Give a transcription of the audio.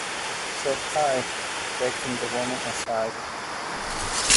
said I, taking the woman aside.